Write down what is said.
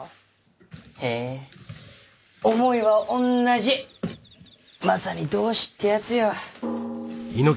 へぇ思いは同じまさに同志ってヤツよ